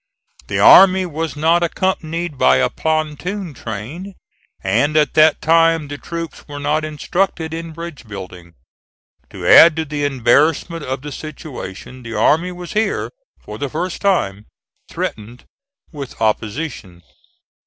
The army was not accompanied by a pontoon train, and at that time the troops were not instructed in bridge building. To add to the embarrassment of the situation, the army was here, for the first time, threatened with opposition.